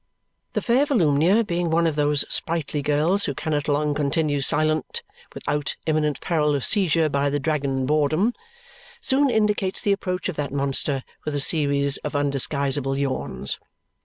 The fair Volumnia, being one of those sprightly girls who cannot long continue silent without imminent peril of seizure by the dragon Boredom, soon indicates the approach of that monster with a series of undisguisable yawns.